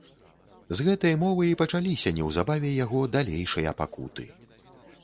З гэтай мовы і пачаліся неўзабаве яго далейшыя пакуты.